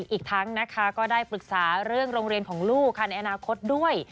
อีกทั้งนะคะก็ได้ปรึกษาเรื่องโรงเรียนของลูกค่ะในอนาคตด้วย